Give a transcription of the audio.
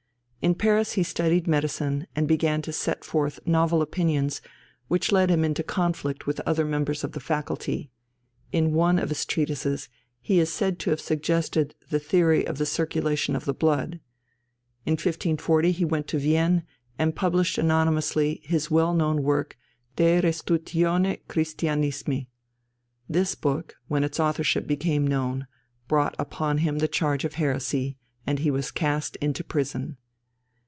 In Paris he studied medicine, and began to set forth novel opinions which led him into conflict with other members of the faculty. In one of his treatises he is said to have suggested the theory of the circulation of the blood. In 1540 he went to Vienne and published anonymously his well known work De Restitutione Christianismi. This book, when its authorship became known, brought upon him the charge of heresy, and he was cast into prison.